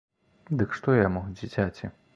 Дык што яму, дзіцяці?